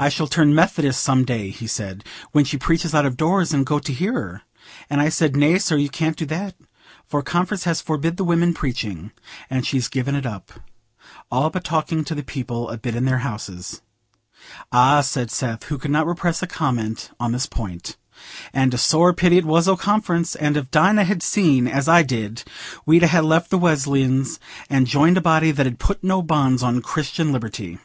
'I shall turn Methodist some day,' he said, 'when she preaches out of doors, and go to hear her.' And I said, 'Nay, sir, you can't do that, for Conference has forbid the women preaching, and she's given it up, all but talking to the people a bit in their houses.'" "Ah," said Seth, who could not repress a comment on this point, "and a sore pity it was o' Conference; and if Dinah had seen as I did, we'd ha' left the Wesleyans and joined a body that 'ud put no bonds on Christian liberty."